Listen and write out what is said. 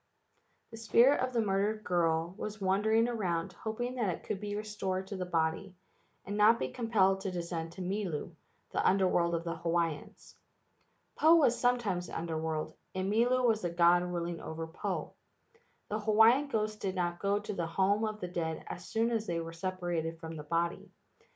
The spirit of the murdered girl was wandering around hoping that it could be restored to the body, and not be compelled to descend to Milu, the Under world of the Hawaiians. Po was some¬ times the Under world, and Milu was the god ruling over Po. The Hawaiian ghosts did not go to the home of the dead as soon as they were separated from the body.